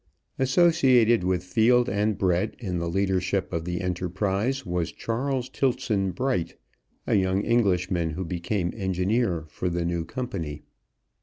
Associated with Field and Brett in the leadership of the enterprise was Charles Tiltson Bright, a young Englishman who became engineer for the new company.